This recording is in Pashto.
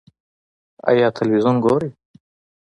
ایا تلویزیون ګورئ؟